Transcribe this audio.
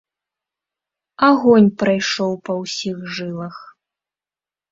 Агонь прайшоў па ўсіх жылах.